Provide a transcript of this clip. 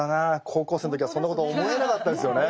高校生の時はそんなこと思えなかったですよね。